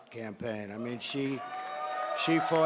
pada kampanye yang sangat berjuang